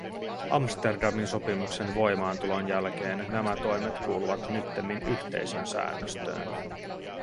Amsterdamin sopimuksen voimaantulon jälkeen nämä toimet kuuluvat nyttemmin yhteisön säännöstöön.